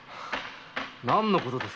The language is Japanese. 何のことですか？